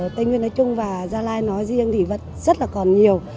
tây nguyên nói chung và gia lai nói riêng thì vẫn rất là còn nhiều